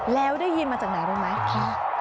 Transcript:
แล้วได้ยินมาจากไหนรู้ไหม